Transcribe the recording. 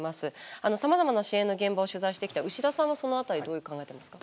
さまざまな支援の現場を取材してきた牛田さんはその辺り、どう考えてますか。